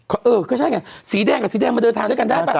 ก็เออก็ใช่ไงสีแดงกับสีแดงมาเดินทางด้วยกันได้ป่ะ